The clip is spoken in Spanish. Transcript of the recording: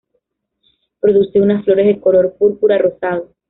Produce unas flores de color púrpura-rosado.